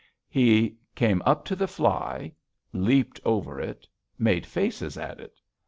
He came up to the fly, leaped over it, made faces at it.